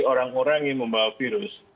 orang orang yang membawa virus